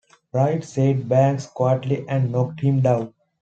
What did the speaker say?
"Right," said Banks quietly, and knocked him down.